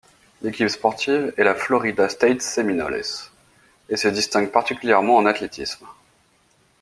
L'équipe sportive est la Florida State Seminoles, et se distingue particulièrement en athlétisme.